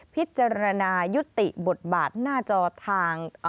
พิจารณายุติบทบาทหน้าจอทาง